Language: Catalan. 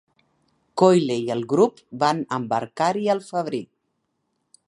Coyle i el grup van embarcar-hi al febrer.